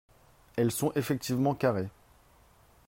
Elles sont effectivement carrées.